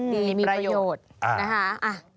มีประโยชน์มีประโยชน์นะคะ